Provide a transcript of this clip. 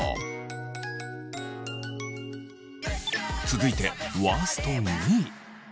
続いてワースト２位。